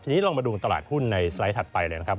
ทีนี้ลองมาดูตลาดหุ้นในสไลด์ถัดไปเลยนะครับ